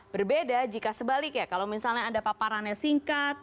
berbeda jika sebalik ya kalau misalnya anda paparannya singkat